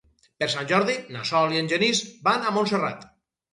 Per Sant Jordi na Sol i en Genís van a Montserrat.